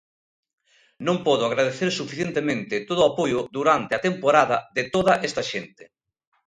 Non podo agradecer suficientemente todo o apoio durante a temporada de toda esta xente.